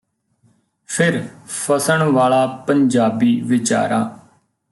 ਫਿਰ ਫਸਣ ਵਾਲਾ ਪੰਜਾਬੀ ਵਿਚਾਰਾ